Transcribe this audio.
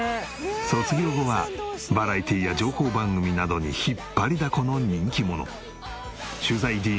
卒業後はバラエティや情報番組などに引っ張りだこの人気者！